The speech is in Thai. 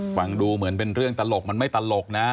ฟังดูเหมือนเป็นเรื่องตลกมันไม่ตลกนะ